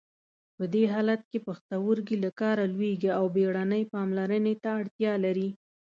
په دې حالت کې پښتورګي له کاره لویږي او بیړنۍ پاملرنې ته اړتیا لري.